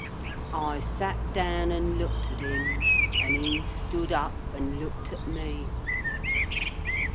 I sat down and looked at him, and he stood up and looked at me.